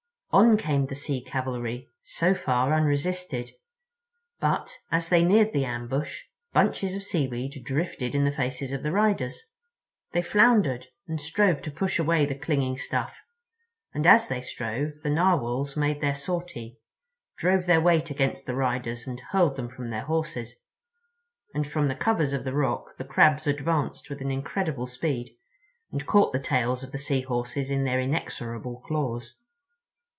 On came the Sea Cavalry—so far unresisted—but as they neared the ambush bunches of seaweed drifted in the faces of the riders. They floundered and strove to push away the clinging stuff—and as they strove the Narwhals made their sortie—drove their weight against the riders and hurled them from their horses, and from the covers of the rocks the Crabs advanced with an incredible speed and caught the tails of the Sea Horses in their inexorable claws.